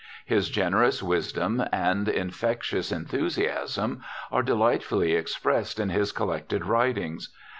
His generous wisdom and infectious enthusiasm are delightfully expressed in his collected writings.